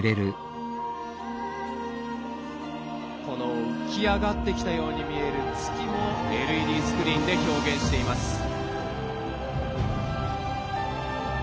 この浮き上がってきたように見える月もＬＥＤスクリーンで表現しています。